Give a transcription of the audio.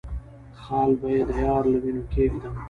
خال به د يار له وينو کېږدم